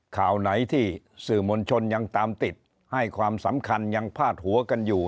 ข่าวไหนที่สื่อมวลชนยังตามติดให้ความสำคัญยังพาดหัวกันอยู่